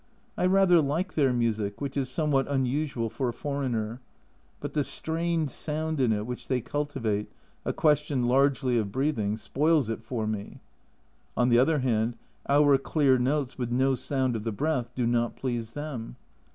I rather like their music, which is somewhat unusual for a foreigner but the strained sound in it which they cultivate (a question largely of breathing) spoils it for me. On the other hand, our clear notes, with no sound of the breath, do not please them